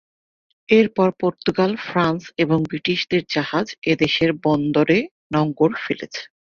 এরপর Portugal, France, এবং ব্রিটিশদের জাহাজ এদেশের বন্দর এ নোঙর ফেলেছে।